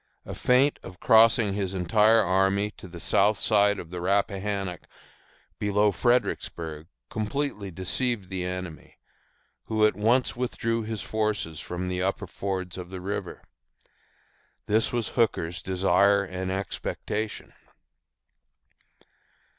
A feint of crossing his entire army to the south side of the Rappahannock below Fredericksburg completely deceived the enemy, who at once withdrew his forces from the upper fords of the river. This was Hooker's desire and expectation.